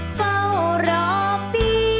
ขอบคุณครับ